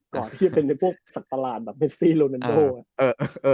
ก่อนที่เป็นพวกสัตลาดแบบเมซิโรนันโบ